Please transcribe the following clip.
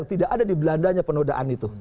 tidak ada di belandanya penodaan itu